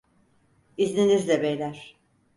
İzninizle beyler.